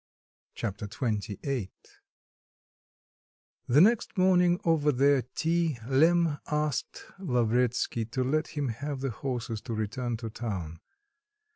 Chapter XXVIII The next morning, over their tea, Lemm asked Lavretsky to let him have the horses to return to town.